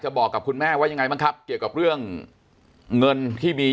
บอกกับคุณแม่ว่ายังไงบ้างครับเกี่ยวกับเรื่องเงินที่มี